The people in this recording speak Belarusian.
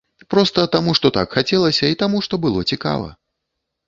Проста таму, што так хацелася і таму, што было цікава.